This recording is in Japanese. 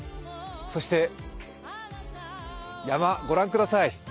そして山、ご覧ください。